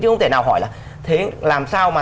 chứ ông thể nào hỏi là thế làm sao mà